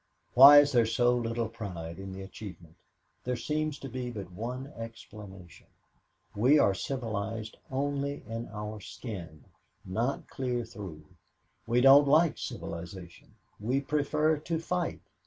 "Why is there so little pride in the achievement? There seems to be but one explanation. We are civilized only in our skin not clear through that. We don't like civilization. We prefer to fight.